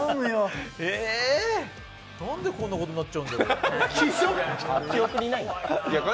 ええ、なんでこんなことになっちゃうんですかね。